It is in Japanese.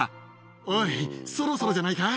おい、そろそろじゃないか。